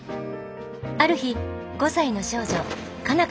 ある日５歳の少女佳奈